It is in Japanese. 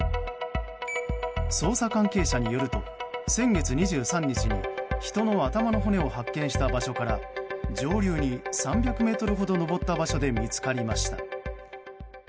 捜査関係者によると先月２３日に人の頭の骨を発見した場所から上流に３００ｍほど登った場所で見つかりました。